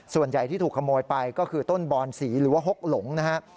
ส่วนใหญ่ที่ถูกขโมยไปก็คือต้นบอนสีหรือว่าหกหลงนะฮะ